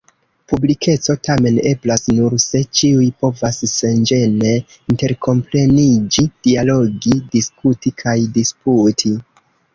Publikeco tamen eblas nur, se ĉiuj povas senĝene interkompreniĝi, dialogi, diskuti kaj disputi.